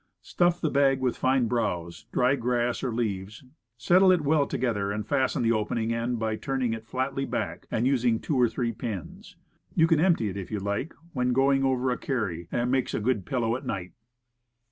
Stuff the bag with fine browse, dry grass or leaves, settle it well together, and fasten the open end by turning it flatly back and using two or three pins. You can empty it if you like when going over a carry, and it makes a good pillow at night.